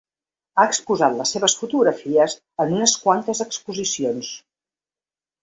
Ha exposat les seves fotografies en unes quantes exposicions.